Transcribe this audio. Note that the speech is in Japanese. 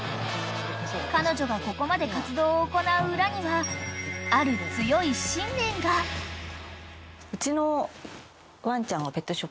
［彼女がここまで活動を行う裏にはある強い信念が］住んでて。